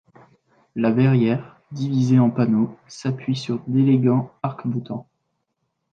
La verrière, divisée en panneaux, s'appuie sur d'élégants arcs-boutants.